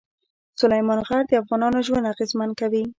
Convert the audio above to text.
سلیمان غر د افغانانو ژوند اغېزمن کوي.